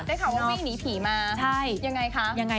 ข่าวว่าวิ่งหนีผีมายังไงคะ